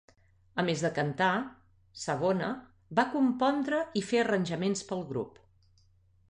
A més de cantar, Savona va compondre i fer arranjaments pel grup.